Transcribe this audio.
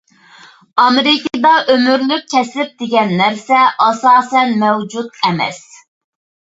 ئامېرىكىدا «ئۆمۈرلۈك كەسىپ» دېگەن نەرسە ئاساسەن مەۋجۇت ئەمەس.